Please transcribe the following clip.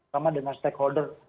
sama dengan stakeholder